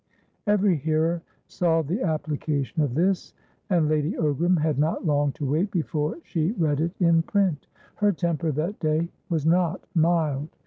Every hearer saw the application of this, and Lady Ogram had not long to wait before she read it in print. Her temper that day was not mild.